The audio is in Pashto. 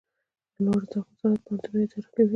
لوړو زده کړو وزارت پوهنتونونه اداره کوي